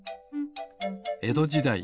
えどじだい